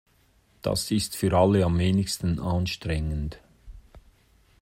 Das ist für alle am wenigsten anstrengend.